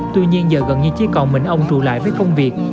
tuy nhiên giờ gần như chỉ còn mình ông trù lại với công việc